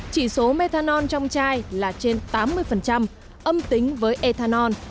chỉ số methanol trong chai là trên tám mươi âm tính với ethanol